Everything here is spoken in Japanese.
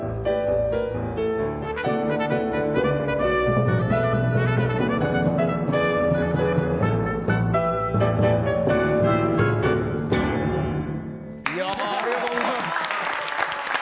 ありがとうございます。